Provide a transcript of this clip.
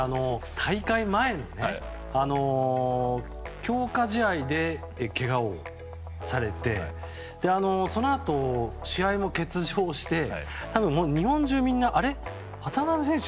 大会前の強化試合でけがをされてそのあと、試合も欠場して日本中みんなあれ、渡邊選手